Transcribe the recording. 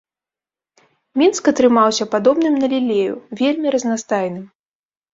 Мінск атрымаўся падобным на лілею, вельмі разнастайным.